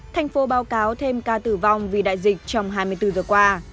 thành phố báo cáo thêm ca tử vong vì đại dịch trong hai mươi bốn giờ qua